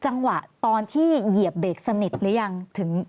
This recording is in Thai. จังหวะตอนที่เหยียบเบรกสนิทหรือยังถึง